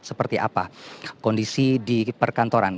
seperti apa kondisi di perkantoran